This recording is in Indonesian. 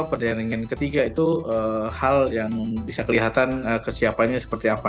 pertandingan ketiga itu hal yang bisa kelihatan kesiapannya seperti apa